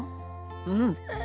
うん。